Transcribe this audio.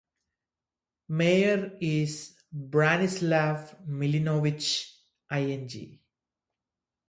Mayor is Branislav Milinovic, ing.